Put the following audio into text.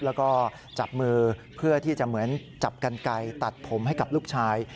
แล้วก็จับมือเพื่อที่จะเหมือนจับกันไก่ตัดผมให้กับลูกชาย